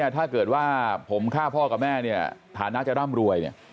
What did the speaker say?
ถ้าเกิดว่าผมฆ่าพ่อกับแม่ฐานะจะร่ำรวย